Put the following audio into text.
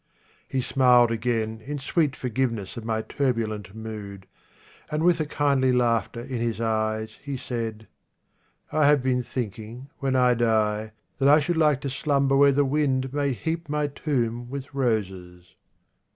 He smiled again In sweet forgiveness of my turbulent mood, And with a kindly laughter in his eyes He said, " I have been thinking, when I die, That I should like to slumber where the wind May heap my tomb with roses."